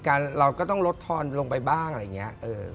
เราก็ต้องลดทอนลงไปบ้างอะไรอย่างนี้